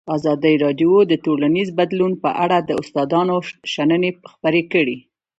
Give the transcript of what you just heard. ازادي راډیو د ټولنیز بدلون په اړه د استادانو شننې خپرې کړي.